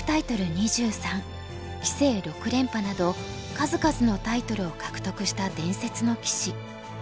数々のタイトルを獲得した伝説の棋士。